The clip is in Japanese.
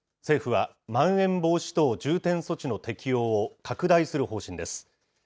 政府はまん延防止等重点措置の適用を拡大する方針です。